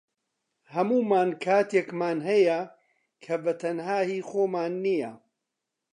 هەموومان کاتێکمان هەیە کە بەتەنها هی خۆمان نییە